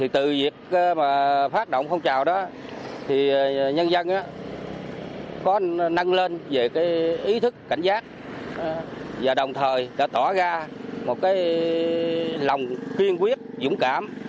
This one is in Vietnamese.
từ việc phát động phong trào đó nhân dân có nâng lên về ý thức cảnh giác và đồng thời đã tỏ ra một lòng kiên quyết dũng cảm